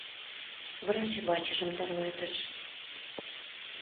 Врач вачыжым тарватыш.